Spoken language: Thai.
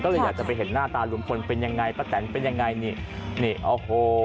ก็เลยอยากจะไปเห็นหน้าตาลุงพลเป็นยังไงป้าแตนเป็นยังไงนี่นี่โอ้โห